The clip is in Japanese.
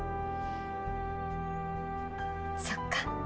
そっか。